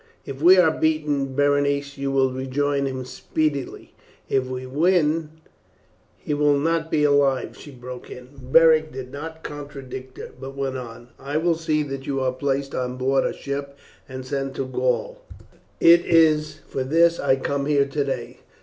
"If we are beaten, Berenice, you will rejoin him speedily; if we win " "He will not be alive," she broke in. Beric did not contradict her, but went on, "I will see that you are placed on board a ship and sent to Gaul; it is for this I come here today.